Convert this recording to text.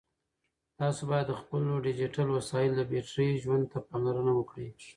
تاسو باید د خپلو ډیجیټل وسایلو د بېټرۍ ژوند ته پاملرنه وکړئ.